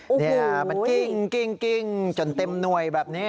นี่มันกิ้งจนเต็มหน่วยแบบนี้